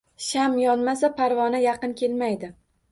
Sham yonmasa, parvona yaqin kelmaydi.